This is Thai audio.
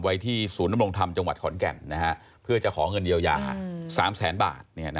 ไว้ที่ศูนย์นำรงธรรมจังหวัดขอนแก่นเพื่อจะขอเงินเยียวยา๓แสนบาท